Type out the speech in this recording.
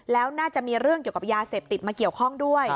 แล้วน่าจะมีเรื่องเกี่ยวกับยาเสพติดมาเกี่ยวข้องด้วย